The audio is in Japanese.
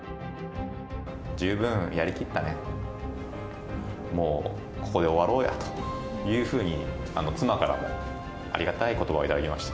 十分やりきったね、もうここで終わろうやというふうに、妻からもありがたいことばを頂きました。